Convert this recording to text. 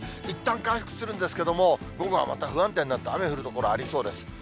いったん回復するんですけども、午後はまた不安定になって、雨降る所ありそうです。